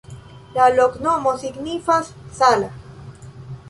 La loknomo signifas: sala.